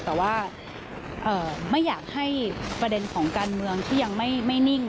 แต่ว่าไม่อยากให้ประเด็นของการเมืองที่ยังไม่นิ่ง